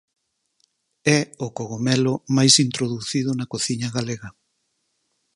É o cogomelo máis introducido na cociña galega.